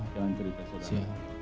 jalan cerita saudara